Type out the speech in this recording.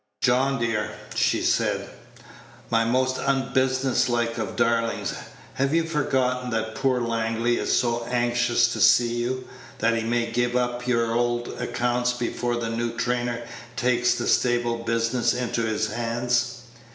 "John, dear," she said, "my most unbusiness like of darlings, have you forgotten that poor Langley is so anxious to see you, that he may give up your old accounts before the new trainer takes the stable business into his hands?